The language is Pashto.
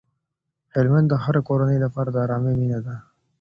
هلمند د هرې کورنۍ لپاره د ارامۍ مينه ده.